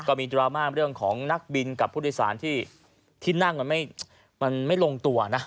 ก็มีดราม่าเรื่องของนักบินกับภูติศาสตร์ที่นั่งไม่ลงตัวนะ